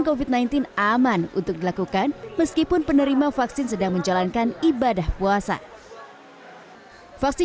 covid sembilan belas aman untuk dilakukan meskipun penerima vaksin sedang menjalankan ibadah puasa vaksin